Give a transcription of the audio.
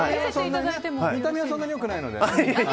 見た目はそんなに良くないので。